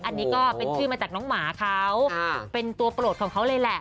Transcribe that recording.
อันนี้ก็เป็นชื่อมาจากน้องหมาเขาเป็นตัวโปรดของเขาเลยแหละ